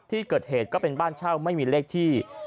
ที่เกิดเหตุก็เป็นบ้านเช่าไม่มีเลขที่